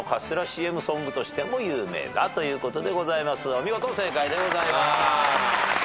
お見事正解でございます。